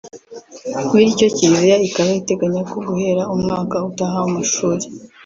Bityo Kiliziya ikaba iteganya ko guhera umwaka utaha w’amashuri